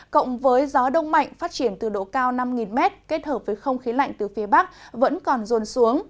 cộng với gió đông mạnh phát triển từ độ cao năm m kết hợp với không khí lạnh từ phía bắc vẫn còn ruồn xuống